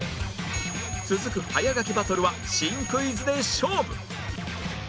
続く早書きバトルは新クイズで勝負！